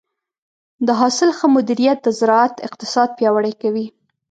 د حاصل ښه مدیریت د زراعت اقتصاد پیاوړی کوي.